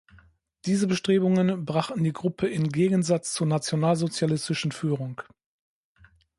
Diese Bestrebungen brachten die Gruppe in Gegensatz zur nationalsozialistischen Führung.